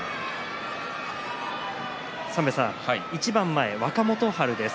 一番前、若元春です。